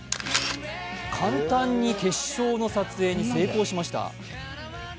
簡単に結晶の撮影に成功しました。